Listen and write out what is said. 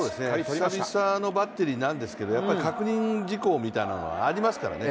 久々のバッテリーなんですけどやっぱり確認事項とかありますからね。